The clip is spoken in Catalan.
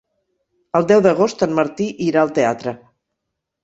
El deu d'agost en Martí irà al teatre.